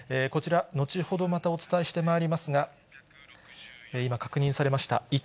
こちら、後ほどまだお伝えしてまいりますが、今、確認されました。